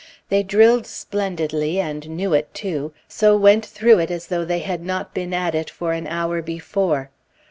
They drilled splendidly, and knew it, too, so went through it as though they had not been at it for an hour before.